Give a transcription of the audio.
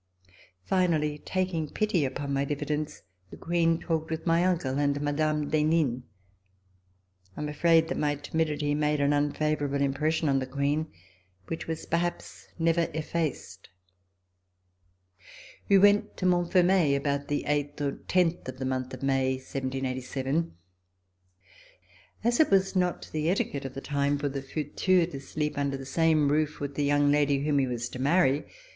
Finally, tak ing pity upon my diffidence, the Queen talked with my uncle and Mme. d'Henin. I am afraid that my timidity made an unfavorable impression on the Queen, which was perhaps never effaced. We went to Montfermeil about the eighth or tenth of the month of May, 1787. As it was not the etiquette of the time for the futur to sleep under the same roof with the young lady whom he was to marry.